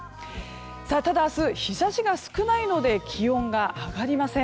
ただ明日、日差しが少ないので気温が上がりません。